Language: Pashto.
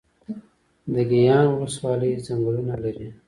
د ګیان ولسوالۍ ځنګلونه لري